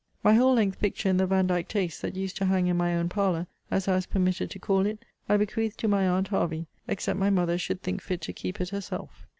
My whole length picture in the Vandyke taste,* that used to hang in my own parlour, as I was permitted to call it, I bequeath to my aunt Hervey, except my mother should think fit to keep it herself.